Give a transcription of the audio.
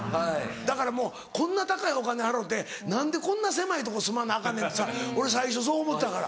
だからもうこんな高いお金払うて何でこんな狭いとこ住まなアカンねんって俺最初そう思ってたから。